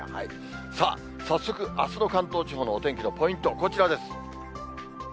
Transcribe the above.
さあ、早速あすの関東地方のお天気のポイント、こちらです。